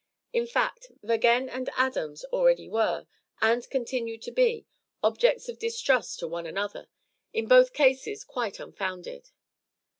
In fact, Vergennes and Adams already were, and continued to be, objects of distrust to one another, in both cases quite unfounded.